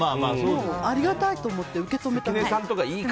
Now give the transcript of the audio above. ありがたいと思って受け止めればいい。